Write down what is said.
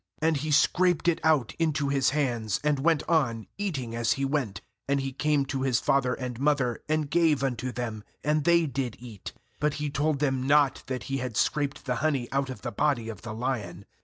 9And he scraped it out into his hands, and went on, eating as he went, and he came to his father and mother, and gave unto them, and they did eat; but he told them not that he had scraped the honey out of the body of the lion.